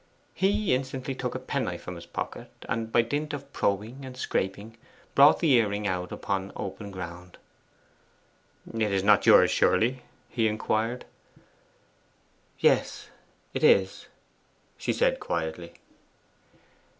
He instantly took a penknife from his pocket, and by dint of probing and scraping brought the earring out upon open ground. 'It is not yours, surely?' he inquired. 'Yes, it is,' she said quietly.